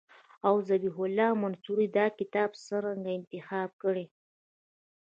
او ذبیح الله منصوري دا کتاب څرنګه انتخاب کړی.